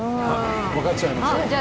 分かっちゃいました。